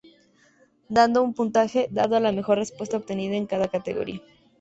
Dando un puntaje dado a la mejor respuesta obtenida en cada categoría.